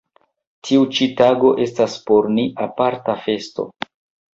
Tiu ĉi tago estas por ni aparta festo.